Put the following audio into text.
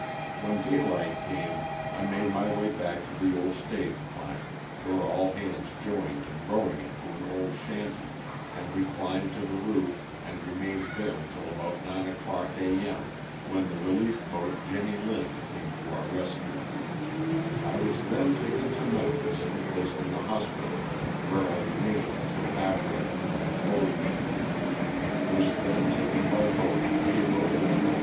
When daylight came I made my way back to the old stage plank, where all hands joined in row ing it to an old shanty and we climbed to the roof and remained there until about nine o'clock a. m., when the relief boat '* Jenny Lind" came to our rescue. I was then taken to Memphis and placed in the hospital, where I remained until after I drew my clothing. Was then taken by boat to Cairo, III.